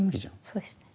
そうですね。